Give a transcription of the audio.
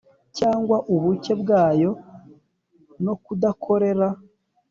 cyangwa ubucye bwayo no kudakorera